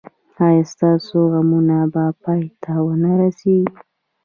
ایا ستاسو غمونه به پای ته و نه رسیږي؟